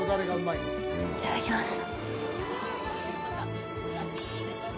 いただきます。